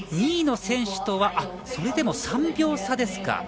２位の選手とはそれでも３秒差ですか。